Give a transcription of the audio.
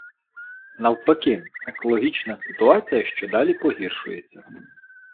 Навпаки — екологічна ситуація щодалі погіршується.